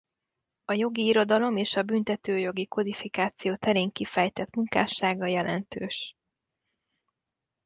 A jogi irodalom és a büntetőjogi kodifikáció terén kifejtett munkássága jelentős.